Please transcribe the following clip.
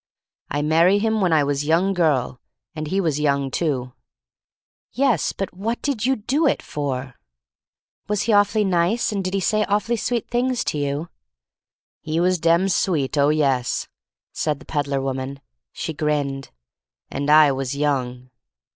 "I marry him w'en I was young girl. And he was young, too." "Yes — but what did you do it for? THE STORY OF MARY MAC LANE 307 Was he awfully nice, and did he say awfully sweet things to you?" » "He was dem sweet — oh, yes," said the peddler woman. She grinned. "And I was young."